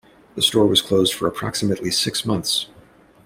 The store was closed for approximately six months.